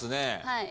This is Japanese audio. はい。